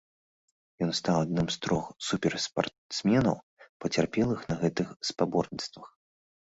Ён стаў адным з трох суперспартсменаў, пацярпелых на гэтых спаборніцтвах.